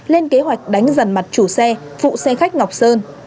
lên kế hoạch đánh dần mặt chủ xe phụ xe khách ngọc sơn